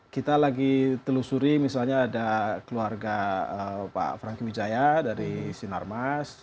kita lagi telusuri misalnya ada keluarga pak franky wijaya dari sinarmas